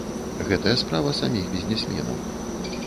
Гэтая справа саміх бізнесменаў.